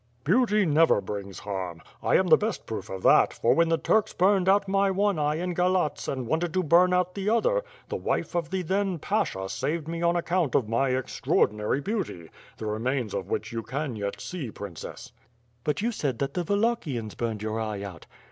"Beauty never brings harm. I am the best proof of that, for when the Turks burned out my one eye in Galatz and wanted to bum out the other, the wife of the then pasha saved me on account of my extraordinary beauty, the remains of which you can yet see, princess." WITH FIRE AND SWORD, 259 "But you said that the Wallachians burned your eye out."